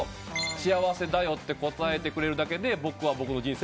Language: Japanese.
「幸せだよって答えてくれるだけで僕は僕の人生を肯定できる」